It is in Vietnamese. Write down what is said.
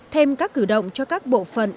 thêm các cử động cho các bộ phận